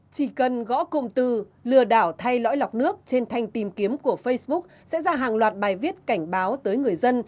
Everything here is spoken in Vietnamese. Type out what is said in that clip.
chỉ cần gõ cụm từ lừa đảo thay lõi lọc nước trên thanh tìm kiếm của facebook sẽ ra hàng loạt bài viết cảnh báo tới người dân